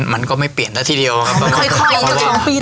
มันก็ไม่เปลี่ยนแต่ทีเดียวครับ